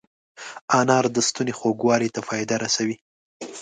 انار د ستوني خوږوالي ته فایده رسوي.